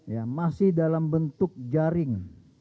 ya masih dalam bentuk jaring